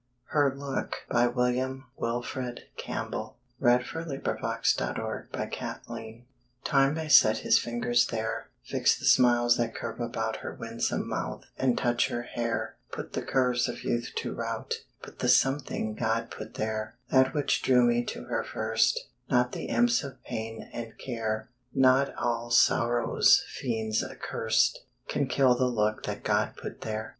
uns in awful blackness swim, A wondrous mercy that is working still. Her Look Time may set his fingers there, Fix the smiles that curve about Her winsome mouth, and touch her hair, Put the curves of youth to rout; But the "something" God put there, That which drew me to her first, Not the imps of pain and care, Not all sorrow's fiends accurst, Can kill the look that God put there.